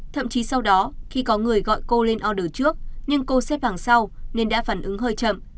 thậm chí sau đó khi có người gọi cô lên order trước nhưng cô xếp hàng sau nên đã phản ứng hơi chậm